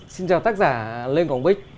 xin chào tác giả lê ngọc bích